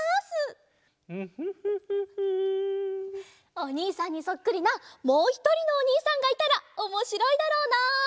おにいさんにそっくりなもうひとりのおにいさんがいたらおもしろいだろうな！